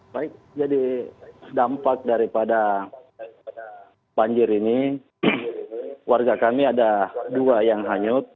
baik jadi dampak daripada banjir ini warga kami ada dua yang hanyut